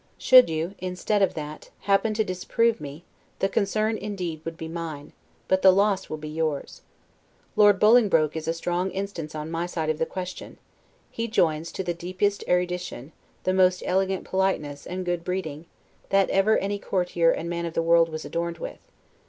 Should you, instead of that, happen to disprove me, the concern indeed would be mine, but the loss will be yours. Lord Bolingbroke is a strong instance on my side of the question; he joins to the deepest erudition, the most elegant politeness and good breeding that ever any courtier and man of the world was adorned with.